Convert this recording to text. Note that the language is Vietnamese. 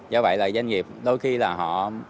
do vậy là doanh nghiệp đôi khi là họ